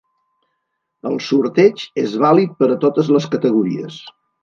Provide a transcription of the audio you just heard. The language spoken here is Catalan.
El sorteig és vàlid per a totes les categories.